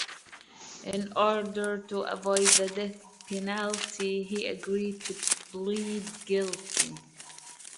In order to avoid the death penalty, he agreed to plead guilty.